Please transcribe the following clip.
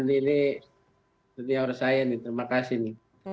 ini setiaur saya nih terima kasih nih